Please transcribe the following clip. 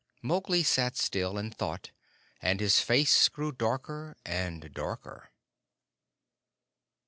Mowgli sat still, and thought, and his face grew darker and darker.